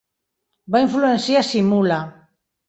Va influenciar Simula.